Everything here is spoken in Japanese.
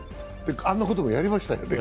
あんなこともやりましたよね。